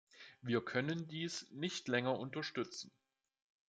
Wir können dies nicht länger unterstützen.